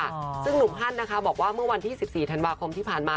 ซึ่งหนุ่มฮันนะคะบอกว่าเมื่อวันที่สิบสี่ธันวาคมที่ผ่านมา